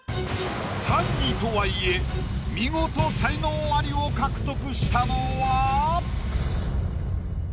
３位とはいえ見事才能アリを獲得したのは？